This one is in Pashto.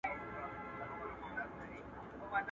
o له کوهي څخه چي هر څونه اوبه را کاږې، هغونه ئې اوبه ډېرېږي.